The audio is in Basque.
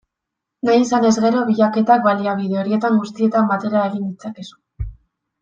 Nahi izanez gero, bilaketak baliabide horietan guztietan batera egin ditzakezu.